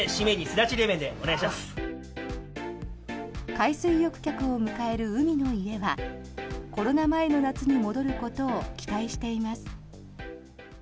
海水浴客を迎える海の家はコロナ前の夏に戻ることを期待しています。